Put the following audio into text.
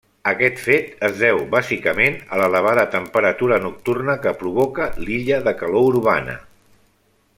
Aquest fet es deu bàsicament a l’elevada temperatura nocturna que provoca l’illa de calor urbana.